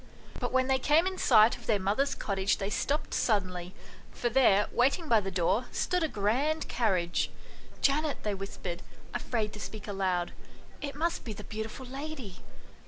But when they came in sight of their mother's cottage they stopped suddenly, for there, waiting by the door, stood a grand carriage. " Janet," they whispered, afraid to speak aloud, "it must be the beautiful lady."